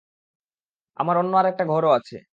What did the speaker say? আমার অন্য আরেকটা ঘরও আছে।